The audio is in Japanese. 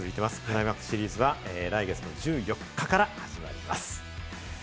クライマックスシリーズは来月の１４日から始まります。